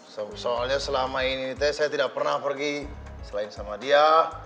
soalnya selama ini teh saya tidak pernah pergi selain sama dia